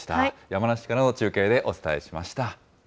山梨からの中継でお伝えしました。